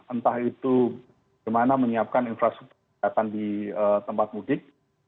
entah itu bagaimana menyiapkan infrastruktur kesehatan di tempat mudik